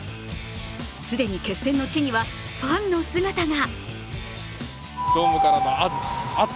既に決戦の地にはファンの姿が。